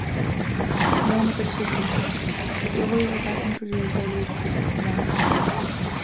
Dnă președintă, eu voi vota pentru rezoluție, da.